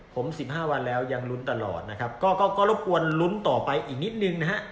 ผม๑๕วันแล้วยังลุ้นตลอดนะครับก็รบกวนลุ้นต่อไปอีกนิดนึงนะฮะ